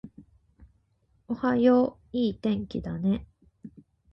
おはよう、いい天気だね